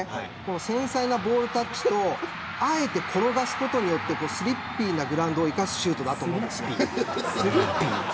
繊細なボールタッチとあえて転がすことによってスリッピーなグラウンドを生かすシュートです。